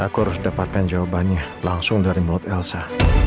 aku harus dapatkan jawabannya langsung dari mulut elsa